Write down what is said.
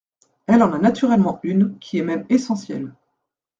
Elle en a naturellement une, qui est même essentielle.